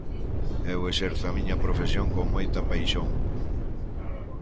Eu exerzo a miña profesión con moita paixón.